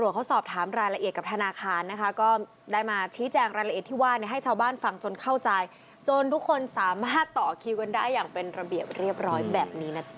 เรียกว่าเข้าไปเนี่ยนานนี้กว่ามันจะเสร็จแต่ละใบใช่ไหมแล้ว